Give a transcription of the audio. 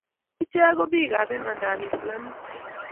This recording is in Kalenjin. Ichek ko biikab imandab islamik